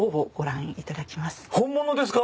本物ですか？